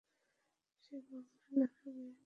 সে বাংলা লেখা বেশ বোঝে।